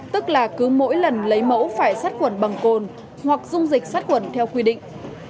tức là cứ mỗi lần lấy mẫu phải sát khuẩn bằng cồn hoặc dung dịch sát khuẩn theo quy định